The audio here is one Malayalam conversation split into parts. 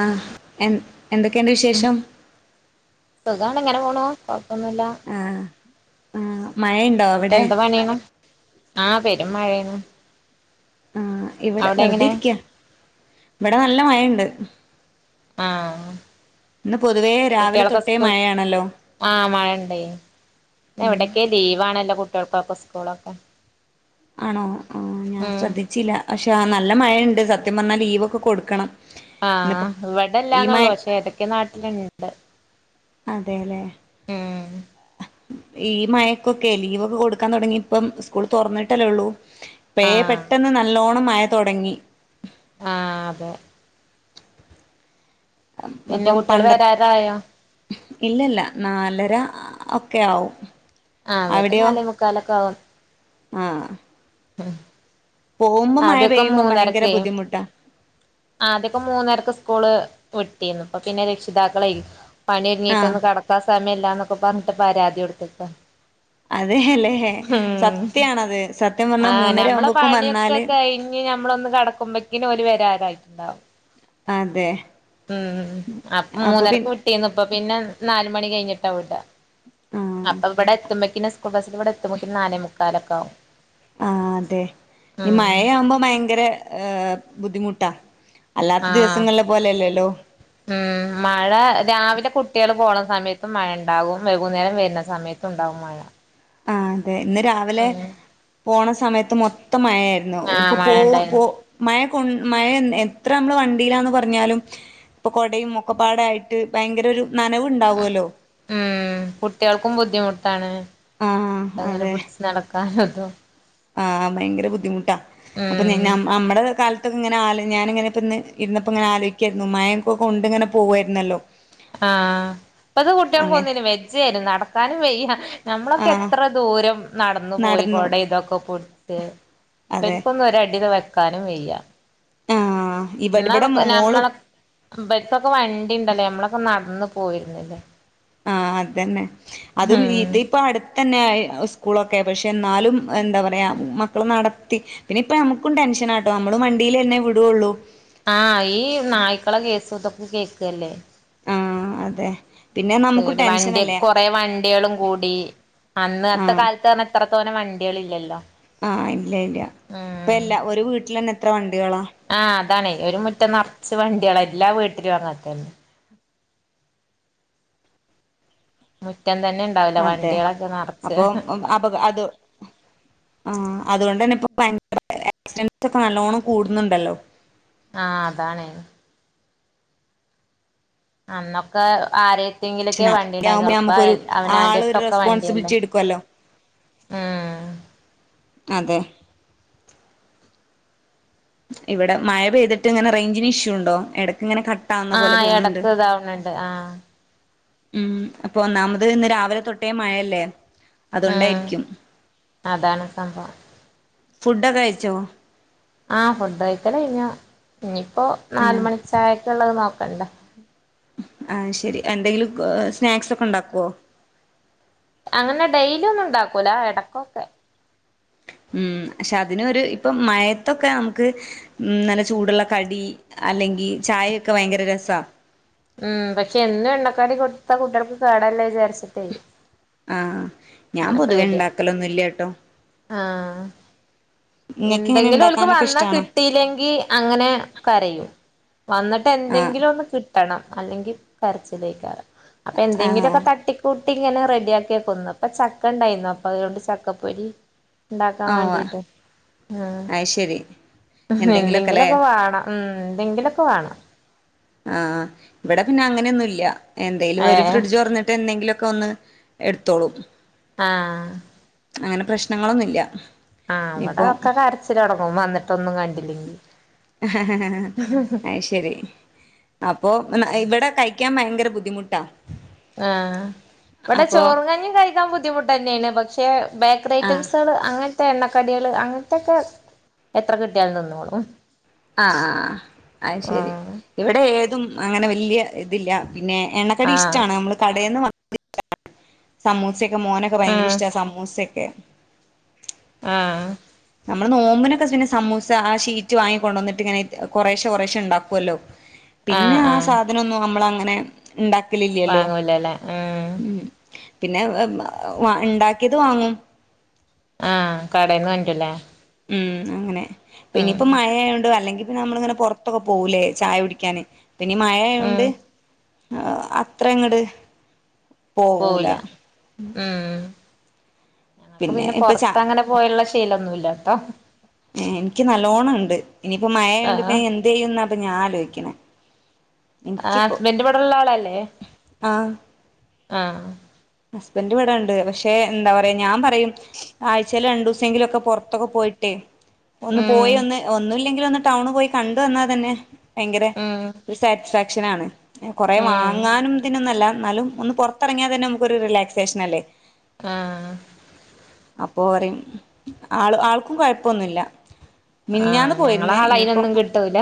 ആഹ് എ എന്തൊക്കെയുണ്ട് വിശേഷം? സുഖാണ് ങ്ങനെ പോണു കൊഴപ്പൊന്നുല്ല. ആഹ് ആഹ് മഴണ്ടോ? എന്ത് പണിയണം ആഹ് പെരും മഴയാണ്. ആഹ് ഇവിടെ അവിടെ വെറുതെ എങ്ങനെ ഇരിക്ക ഇവിടെ നല്ല മഴണ്ട്. ആഹ്. ഇന്ന് പൊതുവേ രാവിലെ കുട്ടികളൊക്കെ തൊട്ടേ സ്കൂൾ മഴയാണല്ലോ. ആഹ് മഴ ഉണ്ടേനി. ഇന്ന് എവിടൊക്കെ ലീവ് ആണല്ലോ കുട്ടികൾക്കൊക്കെ സ്കൂളൊക്കെ. ആണോ ആഹ് ഞാൻ ഉം ശ്രദ്ധിച്ചില്ല പക്ഷെ നല്ല മഴയുണ്ട് സത്യം പറഞ്ഞാൽ ലീവൊക്കെ കൊടുക്കണം. ഇന്നിപ്പം ആഹ് ഈ ഇവിടെല്ലാന്നള്ളൂ മഴ പക്ഷേ ഏതൊക്കെ നാട്ടിലുണ്ട്. അതെ ല്ലേ. ഉം ഈ മഴക്കൊക്കെ ലീവൊക്കെ കൊടുക്കാൻ തുടങ്ങി ഇപ്പം സ്കൂൾ തുറന്നിട്ടല്ലേള്ളൂ. പേ ആഹ് പെട്ടെന്ന് നല്ലോണം മഴ തൊടങ്ങി. ആഹ് അതെ. പിന്നെ ഇപ്പം കുട്ട്യാള് പണ്ട വരാറായോ? ഇല്ലല്ല നാലര ഒക്കെ ആവും. ആഹ് അവരും അവിടെയോ നാലേ മുക്കാലൊക്കെ ആകും. ആഹ് ഹ്മ്. പോകുമ്പോ മഴ പെയ്യുമ്പോ ഭയങ്കര ബുദ്ധിമുട്ടാ. ആദ്യക്കം മൂന്നരക്ക് സ്കൂള് വിട്ടിരുന്നു. ഇപ്പ പിന്നെ രക്ഷിതാക്കളെയ്. ആഹ് പണിയൊരുങ്ങിട്ടൊന്ന് കടക്കാൻ സമയമല്ലന്നൊക്കെ പറഞ്ഞിട്ട് പരാതി കൊടുത്തക്ക അതെല്ലേ സത്യാണത് സത്യം പറഞ്ഞാ ആഹ് മൂന്നര നമ്മളെ ആവുമ്പോക്കും പണിയൊക്കെ വന്നാല് കഴിഞ്ഞ് നമ്മളൊന്ന് കടക്കുമ്പോക്കും ഓൽ വരാറായിയിട്ടുണ്ടാവും. അതെ. ഉം അപ്പൊ മൂന്നരക്ക് വിട്ടീന്ന് ഇപ്പ പിന്നെ നാല് മണി കഴിഞ്ഞിട്ടാ വിടാ. ആഹ് അപ്പൊ ഇവിടെ എത്തുമ്പോക്കിനു സ്കൂൾ ബസ്സിൽ ഇവിടെ എത്തുമ്പോക്കിനു നാലേ മുക്കാലൊക്കെ ആകും. ആഹ് അതെ ഈ മഴയാവുമ്പോ ഭയങ്കര ഏഹ് ബുദ്ധിമുട്ടാ. അല്ലാത്ത ആഹ് ദിവസങ്ങളെ പോലെയല്ലേല്ലോ. ഉം മഴ രാവിലെ കുട്ടിൾ പോണ സമയത്തും മഴ ഉണ്ടാകും വൈകുന്നേരം വരുന്ന സമയത്ത ത്തുണ്ടാവും മഴ. ആഹ് അതെ ഇന്ന് രാവിലെ ഉം പോണ സമയത്ത് മൊത്ത മഴയായിരുന്നു ആഹ് ഇപ്പൊ മഴ പോ പോ ഉണ്ടായിരുന്നു മഴ കൊൺ മഴ എത്ര നമ്മള് വണ്ടീലാന്ന് പറഞ്ഞാലും ഇപ്പൊ കൊടയും ഒക്കപ്പാടായിട്ട് ഭയങ്കര ഒരു നനവ്ണ്ടാവോല്ലോ. ഉം കുട്ട്യേൾക്കും ബുദ്ധിമുട്ടാണ് ആഹ് അത്ങ്ങനെ അതെ പിടിച്ച് നടക്കാനു തും. ആഹ് ഭയങ്കര ബുദ്ധിമുട്ടാ അപ്പം ഞ ഉം ഞം നമ്മടെ കാല ത്തൊക്കെ ങ്ങനെ ആല് ഞാന് പ്പ ന്ന് ഇര്ന്നപ്പങ്ങെനെ ആലോചിക്കായിരുന്നു. മയംക്കെ കൊണ്ട് ഇങ്ങനെ പോവായിരുന്നല്ലോ. ആഹ് ഇപ്പത്തെ അങ്ങനെ കുട്ടിയേൾക്കന്നിനും വെജേജനും നടക്കാനും വെയ്യ. ഞമ്മളൊക്കെ ആഹ് എത്ര ദൂരം നടന്നു പോയി കൊടി ഇതൊക്കെ പുട് ച്ച് അതെ ഇബല്ക്കൊന്നും ഒരടി ദ് വെക്കാനും വെയ്യ. ആഹ് ഇവിടെ ഇന്നാ ഇവിടെ ന്നൊക്ക മോള് ഞമ്മള ഇബല്ക്കൊക്കെ വണ്ടിണ്ടല്ലോ നമ്മളൊക്കെ നടന്ന് പോയിരുന്നില്ലേ. ആഹ് അതന്നെ അതും ഉം ഇത് പ്പം അടുത്തന്നെ സ്കൂളൊക്കെ പക്ഷേ എന്നാലും എന്താ പറയാ മക്കൾ നടത്തി പിന്നെ ഇപ്പ നമക്കും ടെൻഷനാട്ടോ നമ്മള് വണ്ടീലെന്നെ വിടൊള്ളൂ. ആഹ് ഈ നായ്ക്കളെ കേസും തൊക്കെ കേക്കല്ലേ. ആഹ് അതെ. പിന്നെ നമുക്കും പേടിയാ വണ്ടി ടെൻഷനല്ലേ കൊറേ വണ്ടിയേളും കൂടി. അന്ന് അത്തെ ആഹ് കാലത്ത് പർഞ്ഞാ ഇത്രത്തോനെ വണ്ട്യേൾ ഇല്ലല്ലോ. ആഹ് ഇല്ല ഇല്ല്യ. ഇപ്പ എല്ലാ ഒരു വീട്ടിലെന്നെ എത്ര വണ്ടികളാ. ആഹ് അതാണെ ഒരു മുറ്റം നറച്ച് വണ്ട്യേളാ എല്ലാം വീട്ടിലും അങ്ങൻ ത്തന്നെ. മുറ്റം തന്നെണ് അതെ അപ്പൊ അപ അതു ആഹ് അതുകൊണ്ടന്നെ ഇപ്പം ആക്സിഡൻസ് ഒക്കെ നല്ലോണ്ണം കൂടുന്നുണ്ടല്ലോ. ആഹ് അതാണെ. അന്നൊക്കെ ആരേ ത്തെങ്കിലൊക്കെ ക്ഷന വണ്ടി ആവുമ്പോ ഇണ്ടായിരുന്നൊള്ളു ഇപ്പോ നമുക്കൊരു അവനാന്റെ ആളൊരു എടുത്തൊക്കെ വണ്ടിയല്ലേ. റെസ്പോൺസിബിലിറ്റി എടുക്കുവല്ലോ ഊം അതെ. ഇവിടെ മഴ പെയ്തിട്ട് ഇങ്ങനെ റേഞ്ചിന് ഇഷ്യൂ ഉണ്ടോ എടക്ക് ങ്ങനെ ക ആഹ് എടക്ക് ഇതാവ്ണ് ണ്ട് ആഹ്. ഉം അപ്പൊ ഒന്നാമത് ഇന്ന് രാവിലെ തൊട്ടേ മഴയല്ലേ. ഉം അതൊണ്ടായിരിക്കും. അതാണ് സംഭവം ഫുഡൊക്കെ കഴിച്ചോ? ആഹ് ഫുഡ് കഴിക്കലയ്ഞ്ഞു. ഇഞ്ഞിപ്പോ നാല് ആഹ് മണിച്ചായക്ക് ഉള്ളത് നോക്കണ്ടേ. അഹ് ശരി. എന്തെങ്കിലും കൊ സ്നാക്സ് ഒക്കെ ഉണ്ടാക്കുവോ? അങ്ങനെ ഡെയ്ലി ഒന്നും ണ്ടാക്കൂല എടക്കൊക്കെ. ഉം പക്ഷെ അതിനൊരു ഇപ്പം മയത്തൊക്കെ നമുക്ക് ഉം നല്ല ചൂടുള്ള കടി അല്ലെങ്കി ചായയൊക്കെ ഭയങ്കര രസാ. ഉം പക്ഷെ എന്നും എണ്ണക്കടി കൊടുത്താ കുട്ട്യേൾക്ക് കേടല്ലേ വിചാരിച്ച്ട്ടേ. ആഹ് ഞാൻ പൊതുവേ ഇണ്ടാക്കലൊന്നുല്ല്യട്ടോ. ആഹ് ഇങ്ങനെ ഇണ്ടെങ്കിലും ഓൽക്ക് ഉണ്ടാക്കാനൊക്കെ വന്ന ഇഷ്ടാണോ കിട്ടീല്ലെങ്കി അങ്ങനെ കരയും. വന്നിട്ട് ആഹ് എന്തെങ്കിലും ഒന്ന് കിട്ടണം അല്ലെങ്കി കരച്ചിലേക്കാരം അപ്പൊ ആഹ് എന്തെങ്കിലൊക്കെ തട്ടി ക്കൂട്ടി ഇങ്ങനെ റെഡി ആക്കിയേക്കും. ഇന്ന്പ്പ ചക്ക ണ്ടായീന്നു. അപ്പൊ അതുകൊണ്ട് ചക്കപ്പൊരി. ഇണ്ടാക്കാൻ ഓഹ് വാണ്ടീട്ട്. അത് ശരി ആഹ് എന്തെങ്കിലുമൊക്കെല്ലേ എന്തെങ്കിലൊക്കെ വേണം ഉം എന്തെങ്കിലൊക്കെ വേണം. ആഹ് ഇവിടെ പിന്നെ അങ്ങനെയൊന്നുല്യ എന്തേലും ഓര് ഏഹ് ഫ്രിഡ്ജ് തുറന്നിട്ട്‌ എന്തെങ്കിലൊക്കൊന്ന് എടുത്തോളും. ആഹ് അങ്ങനെ പ്രശ്നങ്ങളൊന്നുല്ല്യ ആഹ് ഇവടെ ഒക്കെ കരച്ചിലൊടുങ്ങും വന്നിട്ടൊന്നും കണ്ടില്ലെങ്കി അഹ്ശരി അപ്പൊ ഇവിടെ കഴിക്കാൻ ഭയങ്കര ബുദ്ധിമുട്ടാ. ആഹ് ഇവടെ അപ്പൊ ചോറും, കഞ്ഞിയും കഴിക്കാൻ ബുദ്ധിമുട്ടെന്നേണ് പക്ഷെ ബേക്കറി ആഹ് ഐറ്റംസുകൾ അങ്ങനത്തെ എണ്ണക്കടികള് അങ്ങനത്തൊക്കെ എത്ര കിട്ടിയാലും തിന്നോളും ആഹ് ആഹ് അയ്ശരി ആഹ് ഇവിടെ ഏതും അങ്ങനെ വല്ല്യ ഇതില്ല. പിന്നെ ആഹ് എണ്ണക്കടിയിഷ്ടാണ് നമ്മള് കടേന്ന് വാ സമൂസയക്കെ മോനൊക്കെ ആഹ് ഭയങ്കരയിഷ്ട സമൂസയെക്കെ ആഹ് നമ്മള് നോമ്പിനൊക്കെ പിന്നെ സമൂസ ആ ഷീറ്റ് വാങ്ങി കൊണ്ടോന്ന്ട്ട്ങ്ങനെ കൊറേശെ കൊറേശെ ഇണ്ടാകൊല്ലോ? [inaudible] പിന്നെ ആ ആഹ് സാധനൊന്നും അമ്മമളങ്ങനെ ഇണ്ടാക്കലില്ലല്ലോ? ആഹ് പിന്നെ വാ ഇണ്ടാക്കിയത് വാങ്ങും. ആഹ് കടേന്ന് കൊണ്ട്രരുല്ലേ? ആഹ് അങ്ങനെ പിന്നിപ്പം മഴായോണ്ട് അല്ലെങ്കിപ്പൊ നമ്മളിങ്ങനെ പൊറത്തൊക്കെ പോവുലേ ചായ കുടിക്കാന് പിന്നീ ഉം മഴായോണ്ട് ആ അത്രങ്ങട് പോവൂല മ് ഞങ്ങക്ക് പിന്നെ ഇപ്പൊ ച പുറത്തങ്ങനെ പോയിള്ള ശീലൊന്നുല്ലട്ടോ ഏഹേ എനിക്ക് നല്ലോണണ്ട് ഇനിയിപ്പോ മഴയോണ്ട് ആഹ് എന്തെയ്യുന്നാ ഞാനാലോചിക്കണേ ആഹ് ഹസ്ബെൻഡ് ഇവടെള്ള ആളല്ലേ? ആ ആഹ് ഹസ്ബൻഡ് വടെണ്ട് പക്ഷെ എന്താ പറയാ ഞാൻ പറയും ആഴ് ച്ചേല് രണ്ടൂസെങ്കിലും പൊറത്തൊക്കെ പോയിട്ടേ ഒന്ന് ഉം പോയൊന്ന് ഒന്നുല്ലെങ്കിലൊന്ന് ടൗൺ പോയി കണ്ട് വന്നാ തന്നെ ഭയങ്കര ഉം ഒര് സാറ്റിസ്ഫാക്ഷനാണ്. കൊറേ ഉം വാങ്ങാനുതിനൊന്നല്ല എന്നാലും ഒന്ന് പൊറത്തെറങ്ങ്യാ തന്നെ അമ്മക്കൊര് റിലാക്സേഷനല്ലേ ആഹ്. അപ്പൊ പറയും ആള് ആൾക്കും കൊഴപ്പൊന്നുല്ല. മിനിഞ്ഞാന്ന് ആഹ് ഞങ്ങളെ പോയിര്ന്നെ ആള് ഇനിയിപ്പോ, അയിനൊന്നും കിട്ടൂല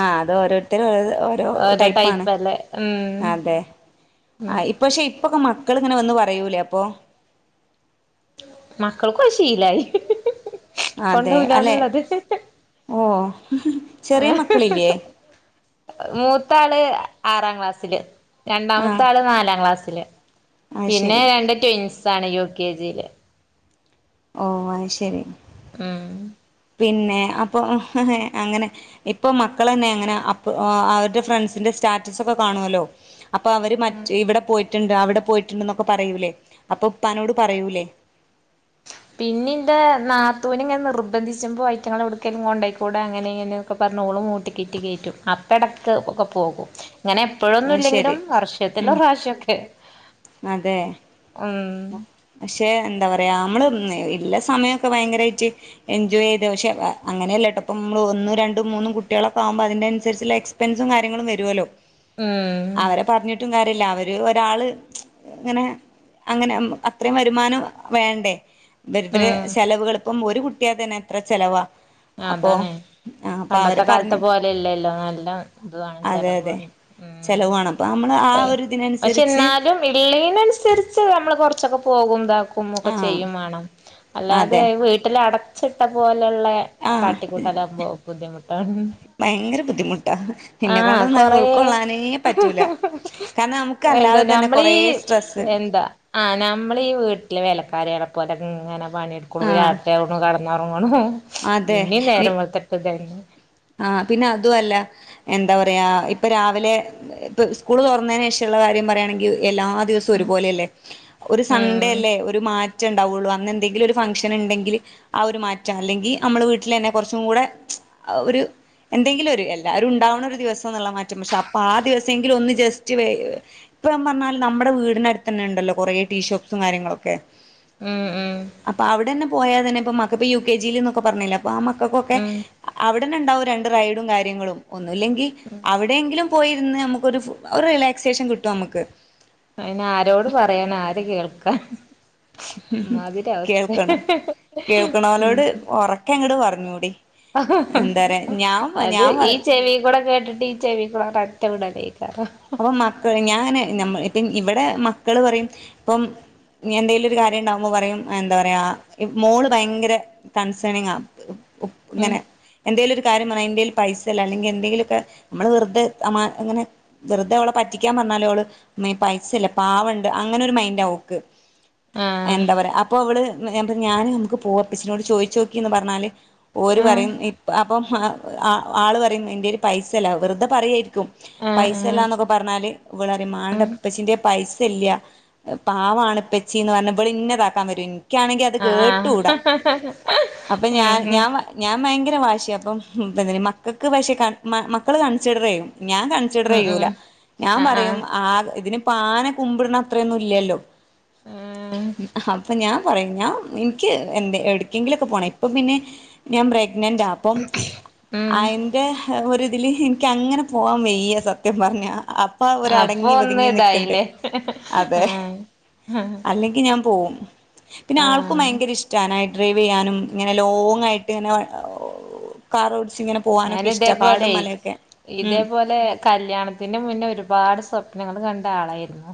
ആഹ് അത് ഓരോര്ത്തര് ഓരോ ടെെപ്പാണ് ടൈപ്പല്ലേ ഉം അതെ ഉം ആഹ് ഇ പക്ഷെ ഇപ്പൊക്കെ മക്കള്ങ്ങനെ വന്ന് പറയൂലപ്പോ? മക്കള്ക്കും അത് ശീലായി കൊണ്ടോവുലാന്ന്ള്ളത്. ഓഹ് മൂത്താള് ആറാം ക്ലാസ്സില്. ആഹ് രണ്ടാമത്താള് നാലാം ക്ലാസ്സില് അത് പിന്നെ ശരി രണ്ട് ട്വിന്സാണ് യു കെ ജീല്. ഓഹ് അഹ് ശരി. ഉം പിന്നെ അപ്പൊ അങ്ങനെ ഇപ്പൊ മക്കളെന്നേ അങ്ങനെ അപ്പ് അവര്ടെ ഫ്രണ്ട്സിന്റെ സ്റ്റാറ്റസൊക്കെ കാണൂല്ലോ? അപ്പൊ അവര് മറ്റ് ഇവ്ടെ പോയിട്ട്ണ്ട് അവ്ടെ പോയിട്ട്ണ്ട്ന്നൊക്കെ പറയൂലേ അപ്പൊപ്പാനോട് പറയൂലേ? പിന്നിന്റെ നാത്തൂന്ങ്ങനെ നിർബന്ധിച്ചുമ്പോ ഐറ്റ്ങ്ങളെ എവ്ട്ക്കേലും കൊണ്ടോയിക്കൂടെ അങ്ങനെ ഇങ്ങനെ ഒക്കെ പറഞ്ഞ് ഓളി മൂട്ടി കീറ്റി കയറ്റും അപ്പെടക്ക് ഒക്കെ പോകും ഇങ്ങനെ അത് ശരി എപ്പഴൊന്നുല്ലെങ്കിലും ഉം വർഷത്തിലൊര്റാശ്യൊക്കെ അതെ ഉം. പക്ഷെ എന്താ പറയാ അമ്മള് ഇള്ള സമയൊക്കെ ഭയങ്കരായിറ്റ് എൻജോയെയ്ത് പക്ഷേ അങ്ങനൃല്ലട്ടോ ഇപ്പം അമ്മള് ഒന്നും രണ്ടും മൂന്നും കുട്ട്യേളൊക്കാവുമ്പോ അതിന്റന്സര്ച്ച്ള്ളേ എക് സ്പെൻസും കാര്യങ്ങളും വെരോല്ലോ. ഉം അവരെ പറ്ഞ്ഞിട്ടും കാര്യല്ല അവര് ഒരാള് ങ്ങനേ അങ്ങനെ ഉം അത്രേം വരുമാനം വേണ്ടേ ദരിദ്രെ ഉം ചെലവുകള് ഇപ്പം ഒരു കുട്ടി കുട്ട്യായാത്തന്നെ എത്ര ചെലവാ. അപ്പോ അതാണ് ആ അപ്പൊ പണ്ടത്ത അവരെ കാലത്തെ പറഞ്ഞ് പോലെല്ലല്ലോ നല്ല ഇതൂ ആണ് അതെ ചെലവ് അതെ ഉം ചെലവ് വാണം [unintelligible] നമ്മള് ആ ഒരു ഇതിനന്സര്ച്ച് ന്നാലും ഇള്ളേനന്സര്ച്ച് അമ്മള് കൊറ്ച്ചൊക്കെ പോകും ഇതാ കുമ്മൊക്കെ ആ ചെയ്യും വേണം അല്ലാതെ അതെ വീട്ടില് അടച്ച്ട്ട പോലെള്ള ആ കാട്ടിക്കൂട്ടാലാവുമ്പോ ബുദ്ധിമുട്ടാണ്. ഭയങ്കര ബുദ്ധിമുട്ടാ ഇന്നെ ആഹ് കൊണ്ടൊന്നും അഅ് കൊറേ ഉൾക്കൊള്ളാനേ പറ്റൂല. കാരണം അമ്മക്ക് എന്താ അല്ലാതെ തന്നെ നമ്മളീ കൊറേ സ്ട്രെസ്സ് എന്താ ആഹ് നമ്മള് ഈ വീട്ട്ലെ വേലക്കാര്യേളെ പോലെങ്ങനെ പണ്യെട്ക്ക്ണൂ ആ രാത്രി ആവു കട്ന്നാെറങ്ങ്ണു പിന്നെ നേര അതെ വെള്ത്തെട്ട് [unintelligible] ആഹ് പിന്ന അതു അല്ല എന്താ പറയാ ഇപ്പ രാവിലെ ഇപ്പ സ്കൂള് തൊറ്ന്നെനെഷള്ള കാര്യം പറയാണെങ്കി എല്ലാ ദിവസൂം ഒരു ഉം പോല്യല്ലേ ഒര് സൺഡേ ഉം അല്ലേ ഒരു മാറ്റണ്ടാവോള്ളൂ അന്നെന്തെങ്കിലൊര് ഫംഗ്ഷന്ണ്ടെങ്കില് ആഹ് ഒരു മാറ്റ അല്ലെങ്കി അമ്മള് വീട്ട്ലെന്നെ കൊറച്ചും കൂടെ ആ ഒര് എന്തെങ്കിലൊര് എല്ലാരുണ്ടാവ്ണ ഒര് ദിവസംന്ന്ള്ള മാറ്റം പക്ഷെ അപ്പാ ആ ദിവസെങ്കിലു ഒന്ന് ജസ്റ്റ് ഇപ്പം പറഞ്ഞാല് നമ്മടെ വീടിനട്ത്തന്നെണ്ടല്ലോ കൊറേ ടീ ഷോപ്പ്സും കാര്യങ്ങളൊക്കെ ഉം ഉം അപ്പ അവിടെന്നെ പോയാ തന്നെ ഇപ്പം മക്കപ്പ് യു കെ ജീല്ന്നൊക്കെ പറ്ഞ്ഞിലേ. ഇപ്പ ആഹ് മക്കക്കൊക്കെ ഉം അവിടെന്നെണ്ടാവും രണ്ട് റൈഡും കാര്യങ്ങളും ഒന്നുല്ലെങ്കി അവിടെയെങ്കിലും. പോയിര്ന്ന് അമ്മക്കൊര് ഫ് ഒര് റിലാക്സേഷൻ കിട്ടു അമ്മക്ക്. അയിന് ആരോട് പറയാന് ആര് കേൾക്കാ ഇമ്മാതിരി അവസ്ഥേ കേൾക്കണം കേൾക്കണോലോട് ഉറക്കെ അങ്ങട് പറഞ്ഞൂടി എന്താ പറയാ ഞാൻ അത് ഞാൻ ഈ പറ ചെവീ കൂടെ കേട്ട്ട്ട് ഈ ചെവിക്കുടെ [unintelligible] ഒറ്റ വിടെലെകാരം അപ്പം മക്കൾ ഞാൻ ഞ മ ഇപ്പം ഇവിടെ മക്കള് പറയും ഇപ്പം. എന്തെങ്കിലും ഒരു കാര്യം ഉണ്ടാവുമ്പോ പറയും എന്താ പറയാ മോള് ഭയങ്കര കണ്സേണിങ്ങാ ഉം ങ്ങനേ എന്തെങ്കിലും ഒരു കാര്യം പറ [unintelligible] എന്തെല് പൈസല്ല അല്ലെങ്കി എന്തെങ്കിലുക്കെ നമ്മൾ വെറ്തെ തമാ അങ്ങനെ വെറ്തെ ഓളെ പറ്റിക്കാൻ പറ്ഞ്ഞാല് ഓള് മ്മെ പൈസല്ല പാവണ്ട് അങ്ങനെ ഒരു മൈൻഡ ഓക്ക്. ആഹ് എന്താ പറയാ അപ്പൊ അവള് ഞാന് പറയും ഞാന് നമുക്ക് പോവാ പ്പച്ചിനോട് ചോയിച്ചോക്കി ന്ന് പറ്ഞ്ഞാല്. ഓര് ആഹ് പറയും ഇ അപ്പം ആ ആ ആള് പറയും എന്റെല് പൈസല്ല വെറ്തെ പറയായിരിക്കും. ആഹ് പൈസ ആഹ് ഇല്ലാന്നൊക്കെ പറ്ഞ്ഞാല് ഇവ്ളറിം ഉം മാണ്ടപ്പച്ചിന്റെ പൈസ ഇല്ലൃ. പാവാണ് ഇപ്പച്ചിന്ന് പറ്ഞ്ഞ് ഇവൾ ഇന്നെ താക്കാൻ വരോ ഇക്ക്യാണങ്കി അത് ആഹ് കേട്ടുടാ അപ്പൊ ഉം ഞാൻ ഉം ഞാൻ. ഞാൻ ഭയങ്കര വാശിയ അപ്പം [unintelligible] മക്കക്ക് പക്ഷെ ക മ മക്കള് കൺസിഡർയ്യും ഞാൻ കൺ ഉം സിഡർയ്യൂല ഉം ഞാൻ ആഹ് പറയും ആഹ് ആ ഇതിന് പ്പ ആന കുമ്പ്ട്ണ അത്രയൊന്നും ഇല്ലൃല്ലോ. [unintelligible] അപ്പം ഞാൻ പറയും ഞാൻ ഇന്ക്ക്യ് എന്ത് എട്ക്കെങ്കിലൊക്കെ പോണം ഇപ്പം പിന്നെ. ഞാൻ പ്രഗ്നന്റാ ആപ്പം ഉം ആയ് ന്റെ ഒര്തിൽ ഇന്ക്കൃങ്ങനെ പോകാൻ വയ്യ സത്യം പറ്ഞ്ഞാ ഇപ്പാ ഒര് അപ്പൊ അടങ്ങി ഒന്ന് ഒതുങ്ങി നിക്ക്‌ണ്ട് ഇതായില്ലേ അതെ. ആഹ് അല്ലെങ്കി ഞാ പോവും. പിന്നെ ആൾക്കും ആഹ് ഭയങ്കര ഇഷ്ടാനായി ഡ്രൈവെയ്യാനും ങ്ങനെ ലോങ്ങാ യിട്ട് ങ്ങനെ വ കാറോടിച്ച് ങ്ങനെ ഞാന് തേപോലെയ് ഉം ഇതേപോലെ കല്ല്യാണത്തിന്റെ മുന്നെ ഒരുപാട് സ്വപ്നങ്ങള് കണ്ട ആളായിരുന്നു.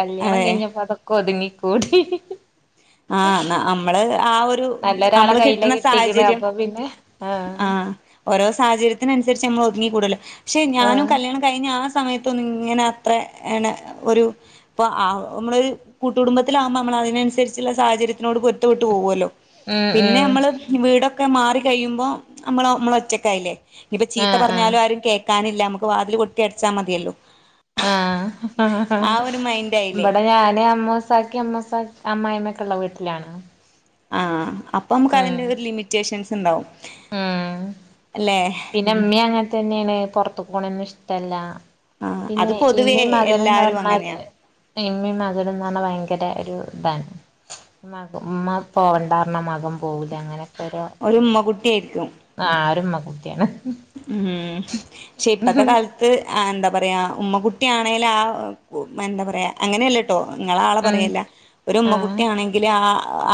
കല്ല്യാണം അതെ കഴിഞ്ഞപ്പൊ അതൊ ക്കൊത്ങ്ങിക്കൂടി. ആഹ് ന്ന അമ്മള് ആ ഒ രു നല്ലൊരാളെ അമ്മള് കയ്യില കിട്ട്ണ കിട്ടിക്കണ് സാഹചര്യം. അപ്പൊ പിന്നെ ആഹ് ഓരോ സാഹചര്യത്തിനൻസരിച്ച് അമ്മൾ ഒത്ങ്ങികൂടെല്ലൊ. പക്ഷെ ഞാനും ആഹ് കല്ല്യാണം കഴിഞ്ഞ ആ സമയത്തൊന്നും ഇങ്ങനെ അത്രെ എണെ ഒരു പ്പ ആഹ് മ്മളൊര് കൂട്ടുകുംടുബത്തിലാവ്മ്പ അമ്മള തിനൻസരി ചില സാഹചര്യത്തിനോട് പൊരുത്തപെട്ട് പോകുവല്ലൊ ഉം പിന്നെ ഉം അമ്മള് വീടൊക്കെ മാറി കഴിയുമ്പൊ അമ്മളൊ മ്മളൊറ്റക്കായില്ലെ. ഞ്ഞിപ്പൊ ചീത്ത ആഹ് ആഹ് പറഞ്ഞാലും ആരും കേ ക്കാനില്ല അമുക്ക് വാതില് കൊട്ടി അട്ച്ചാ മതിയല്ലൊ. ആഹ്. മൈൻഡ് ആയില്ലേ ബടെ ഞാന് അമ്മൂസ് സാക്കി, അമ്മസ്സാ അമ്മായമ്മക്കെള്ള വീട്ട്ലാണ്. ആഹ്. അപ്പൊ നമുക്ക് അതിന്റെ ഒര് ലിമിറ്റേഷൻസ് ണ്ടാവും ഉം അല്ലെ. പിന്നെ മ്മീ അങ്ങൻ തന്നേണ് പൊർത്തുക്ക്‌ പോണെന്നും ഇഷ്ടല്ല. ആഹ് അത് പിന്നെ പൊതുവേ ഇമ്മിം മകനും ന്ന് എല്ലാരും പർണാല് അങ്ങനെയാ ഇമ്മിം മാകനും ന്നെർണാ ഭയങ്കര ഒരു താണ്. മ്മാക്ക്. മ്മ പോവണ്ടാർണ മകം പോവൂല അങ്ങനെ ഒരൊ ഒരു ഉമ്മ ന്താ കുട്ടിയായിരിക്കും ആഹ് ഒരുമ്മ കുട്ട്യാണ്. ഉം. പക്ഷെ ഇപ്പത്തെ കാൽ ത്ത് ആഹ് എന്താ പറയാ ഉമ്മകുട്ടിയാണേലും ആഹ് എന്താ പറയാ അങ്ങനെയല്ലട്ടൊ ങ്ങളെ ആളെ ഉം പറയല്ല. ഒരുമ്മ ആഹ് കുട്ടിയാണെ ങ്കിലെ ആ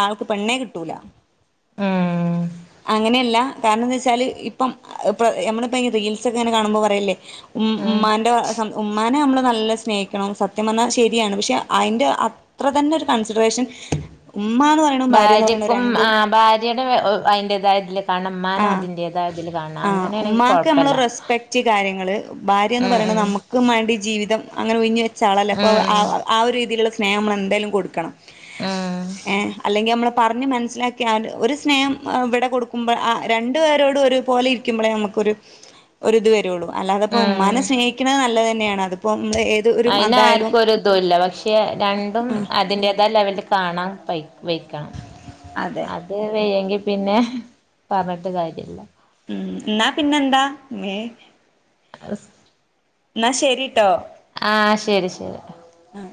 ആൾക്ക് പെണ്ണേ കിട്ടൂല. ഉം അങ്ങനെയല്ല കാരണം ന്നെച്ചാല് ഇപ്പം പ്പ യമ്മളിപ്പ ഈ റീൽസൊ ക്കെങ്ങനെ കാണുമ്പൊ പറയില്ലെ ഉമ് ഉം മ്മാന്റെ സം ഉമ്മാനെ അമ്മള് നല്ല സ്നേഹി ണം സത്യം പർണാ ശരിയാണ്. പക്ഷെ അയിന്റെ അത്ര തന്നൊരു കൺസിഡറേഷൻ ഉമ്മാന്ന് പറയിണും ഭാര്യാന്ന് പറയിണും രണ്ടും [unintelligible] അയിന്റേതായതില് കാരണം മ്മാനെ ആഹ് അതിൻ്റേതായതില് കാണണം. ആഹ് അങ്ങനേണെങ്കി ഉമ്മാക്ക് നമ്മള് കൊഴപ്പല്ല. റെസ്പെക്റ്റ് ഉം ഉം ക്കും വേണ്ടി ജീവിതം അങ്ങനെ ഒഞ്ഞഞ് വെച്ച ആളല്ലേ അപ്പോൾ ക്കും മാണ്ടി ജീവിതം അങ്ങനെ ഉഴിഞ്ഞ് വെച്ച ആളല്ലെ അപ്പൊ വ ആ ഉം ആ ഒരു രീതിയില്ള്ള സ്നേഹം മ്മളെന്തായാലും കൊട്ക്കണം. ഉം ഏഹ് അല്ലെങ്കി അമ്മളെ പർഞ്ഞ് മെൻസ്സിലാ ക്കിയാല് ഒര് സ്നേഹം അഹ് വടെ കൊട്ക്കുമ്പൾ ആഹ് രണ്ട് പേരോടും ഒര് പോലെ ഇരിക്ക്മ്പളേ അമുക്കൊരു ഒരു ത് വെരൊള്ളു. അല്ലാതെ പ്പൊ ഉം ഉമ്മാനെ സ്നേഹി ക്ക്ണെ നല്ലേ തന്നെയാണ്. അത്റപ്പൊ മ്മള് ഏ അതിന് ആർക്കും ഒര് തൂല്ല. പക്ഷെ രണ്ടും ആഹ് അതിന്റെതായ ലെവല്ല് കാണാം ഫയ് വൈ ക്കണം. അതെ അത് വെയ്യെങ്കി പിന്നെ പർഞ്ഞിട്ട് കാര്യല്ല. ഉം. ന്നാ പിന്നെന്താ മ്മേ ആസ് ന്നാ ശരിട്ടൊ ആഹ് ശരി ശരി ആഹ്